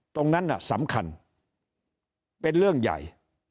ตรงนั้นสำคัญเป็นเรื่องใหญ่